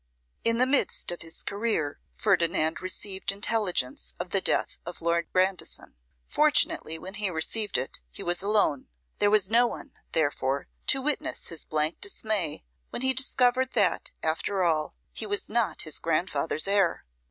In the midst of his career, Ferdinand received intelligence of the death of Lord Grandison. Fortunately, when he received it he was alone; there was no one, therefore, to witness his blank dismay when he discovered that, after all, he was not his grandfather's heir!